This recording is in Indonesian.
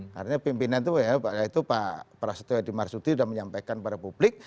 karena pimpinan itu ya pak prasetyo yadi marsudi sudah menyampaikan kepada publik